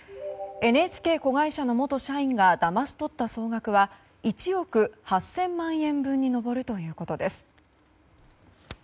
ＮＨＫ子会社の元社員がだまし取った総額は１億８０００万円分に上るということです。